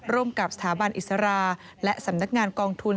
ร่วมกับสถาบันอิสราและสำนักงานกองทุน